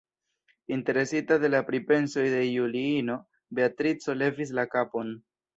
Interesita de la pripensoj de Juliino, Beatrico levis la kapon.